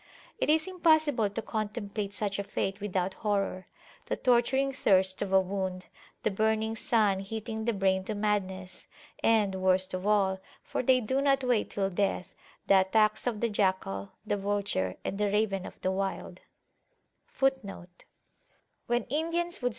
It is impossible to contemplate such a fate without horror: the torturing thirst of a wound,[FN#4] the burning sun heating the brain to madness, andworst of all, for they do not wait till deaththe attacks of the jackal, the vulture, and the raven of the wild.